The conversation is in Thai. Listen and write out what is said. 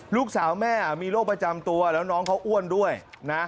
ลูกสาวแม่มีโรคประจำตัวแล้วน้องเขาอ้วนด้วยนะ